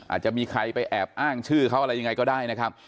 อาจจะมีใครไปแอบอ้างชื่อเขาอะไรยังไงก็ได้นะครับ